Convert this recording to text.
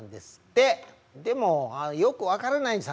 でもよく分からないです